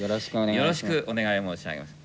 よろしくお願い申し上げます。